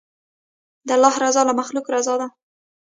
د الله رضا له مخلوقه رضا ده.